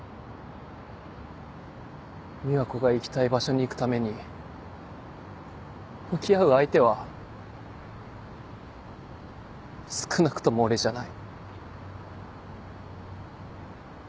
美和子が行きたい場所に行くために向き合う相手は少なくとも俺じゃない。